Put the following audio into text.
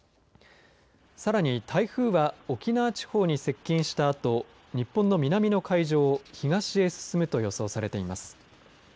さらに台風は沖縄地方に接近したあと日本の南の海上を東へ進むと予想されています。